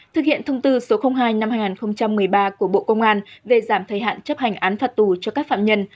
thực hiện thông tư số hai năm hai nghìn một mươi ba của bộ công an về giảm thời hạn chấp hành án phạt tù cho các phạm nhân